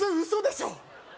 嘘でしょ？